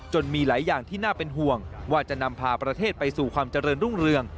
มีหลายอย่างที่น่าเป็นห่วงว่าจะนำพาประเทศไปสู่ความเจริญรุ่งเรือง